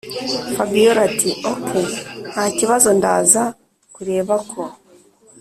fabiora ati”okey ntakibazo ndaza kureba ko